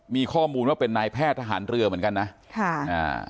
มีข้อมูลว่าเป็นนายแพทย์ทหารเรือเหมือนกันนะค่ะอ่า